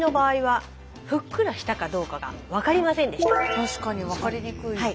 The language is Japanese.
確かに分かりにくい。